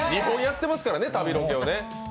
２本やってますからね、旅ロケをね。